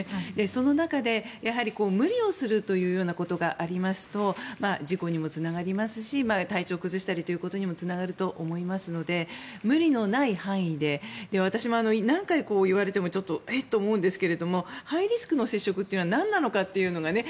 その中で、無理をするというようなことがありますと事故にもつながりますし体調を崩したりということにもつながると思いますので無理のない範囲で私も何回いわれもえ？と思うんですがハイリスクの接触というのはなんなのかというのがね